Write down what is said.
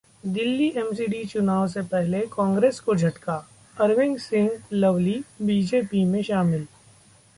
Delhi MCD चुनाव से पहले कांग्रेस को झटका, अरविंदर सिंह लवली बीजेपी में शामिल